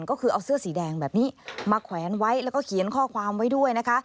ก็คือเอาเสื้อสีแดงแบบนี้มาแขวนไว้แล้วก็เขียนข้อความไว้ด้วยนะคะ